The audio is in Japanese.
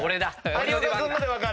有岡君ので分かる。